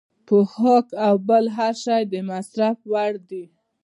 پوښاک او بل هر شی د مصرف وړ دی.